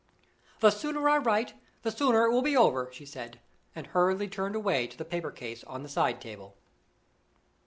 "The sooner I write, the sooner it will be over," she said, and hurriedly turned away to the paper case on the side table.